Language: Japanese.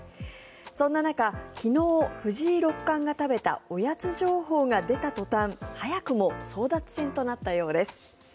そんな中昨日、藤井六冠が食べたおやつ情報が出た途端早くも争奪戦となったようです。